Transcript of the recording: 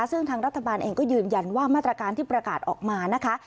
ซึ่งทางรัฐบาลเองก็ยืนยันว่ามาตรการที่ประกาศออกมานะคะ